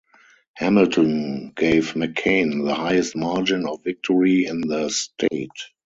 Hamilton gave McCain the highest margin of victory in the state.